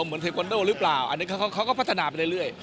เทควันโดหรือเปล่าอันนี้เขาก็พัฒนาไปเรื่อย